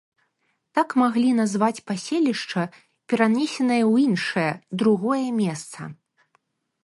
Так маглі назваць паселішча, перанесенае ў іншае, другое месца.